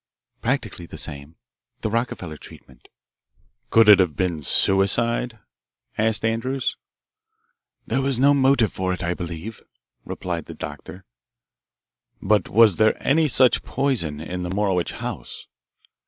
"Practically the same, the Rockefeller treatment." "Could it have been suicide" asked Andrews. "There was no motive for it, I believe," replied the doctor. "But was there any such poison in the Morowitch house?"